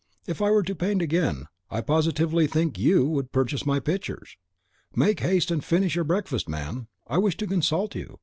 If I were to paint again, I positively think YOU would purchase my pictures. Make haste and finish your breakfast, man; I wish to consult you.